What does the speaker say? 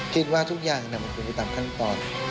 คิดว่าทุกอย่างมันควรอยู่ตามขั้นตอน